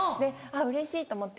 うれしいと思って。